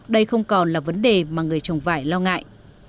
đây không còn là vấn đề mà người trồng vải lo ngại